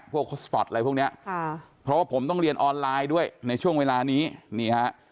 โฮสปอร์ตอะไรพวกเนี้ยค่ะเพราะว่าผมต้องเรียนออนไลน์ด้วยในช่วงเวลานี้นี่ฮะ